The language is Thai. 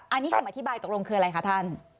อันนี้คำอธิบายตกลงคืออะไรคะท่าน